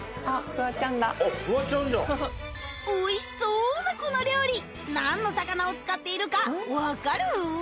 フワちゃんだフワちゃんじゃんおいしそうなこの料理何の魚を使っているか分かる？